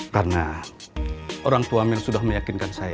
karena orang tua mel sudah meyakinkan saya